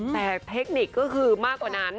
แต่เทคนิคก็คือมากกว่านั้น